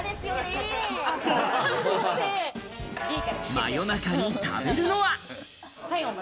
真夜中に食べるのは？